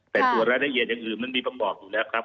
แต่ตรวจรายละเอียดอย่างอื่นมันมีประกอบอยู่แล้วครับ